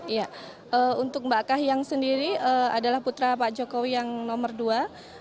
iya untuk mbak kahiyang sendiri adalah putra pak jokowi yang nomor dua